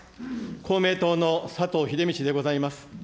公明党の佐藤英道でございます。